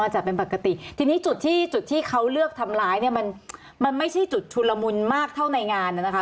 อ๋อจัดเป็นปกติทีนี้จุดที่เขาเลือกทำร้ายเนี่ยมันไม่ใช่จุดชุดละมุนมากเท่าในงานนะคะ